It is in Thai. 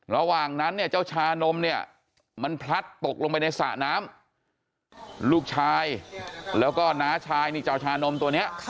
ระหว่างนั้นเนี่ยเจ้าชานมเนี่ยมันพลัดตกลงไปในสระน้ำลูกชายแล้วก็น้าชายนี่เจ้าชานมตัวนี้